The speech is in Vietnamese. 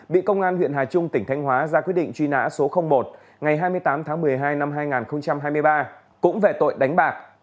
bị công an huyện hà trung tỉnh thanh hóa ra quyết định truy nã số một ngày hai mươi tám tháng một mươi hai năm hai nghìn hai mươi ba cũng về tội đánh bạc